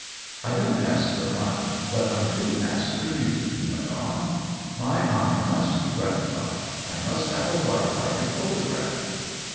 " I don't ask for much, but I do ask for beauty," he went on. " My eye must be gratified — I must have a wife I can photograph."